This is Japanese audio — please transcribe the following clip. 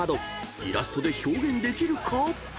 イラストで表現できるか］